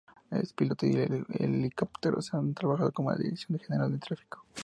Es piloto de helicópteros y ha trabajado para la Dirección General de Tráfico.